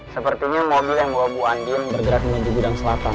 sepertinya mobil yang membawa bu andin bergerak menuju gudang selatan